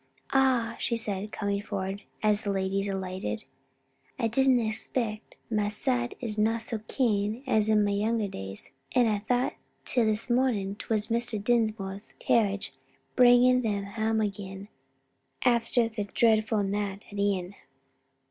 "Ah!" she said, coming forward as the ladies alighted, "I didna expect my sight is no so keen as in my younger days, and I thocht till this moment 'twas Mr. Dinsmore's carriage, bringing them hame again after their dreadfu' nicht at Ion."